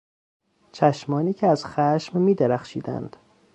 چشمانی که از خشم میدرخشیدند